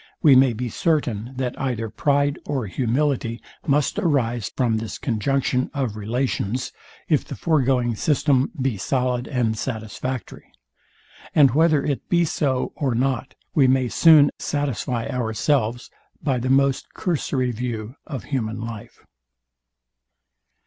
we may be certain, that either pride or humility must arise from this conjunction of relations; if the foregoing system be solid and satisfactory. And whether it be so or not, we may soon satisfy ourselves by the most cursory view of human life.